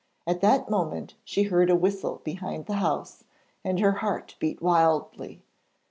At that moment she heard a whistle behind the house, and her heart beat wildly.